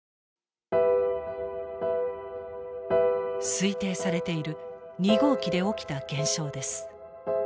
推定されている２号機で起きた現象です。